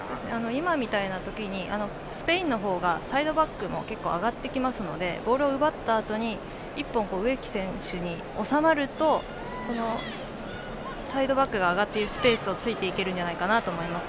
今みたいな時にスペインの方がサイドバックの方が結構上がってきますのでボールを奪ったあとに１本、植木選手に収まるとサイドバックが上がっているスペースを突いていけるんじゃないかと思います。